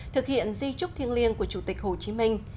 thực hiện di trúc thiêng liêng của chủ tịch hồ chí minh